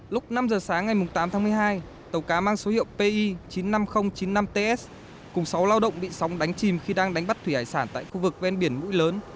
lúc năm giờ sáng ngày tám tháng một mươi hai tàu cá mang số hiệu pi chín mươi năm nghìn chín mươi năm ts cùng sáu lao động bị sóng đánh chìm khi đang đánh bắt thủy hải sản tại khu vực ven biển mũi lớn